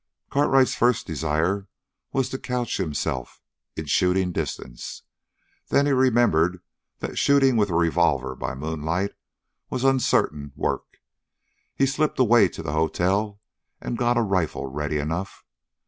Cartwright's first desire was to couch himself in shooting distance. Then he remembered that shooting with a revolver by moonlight was uncertain work. He slipped away to the hotel and got a rifle ready enough.